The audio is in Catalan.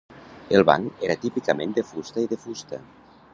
El banc era típicament de fusta i de fusta.